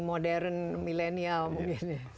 modern millenial mungkin